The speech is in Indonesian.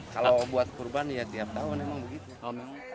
kalau buat kurban ya tiap tahun emang begitu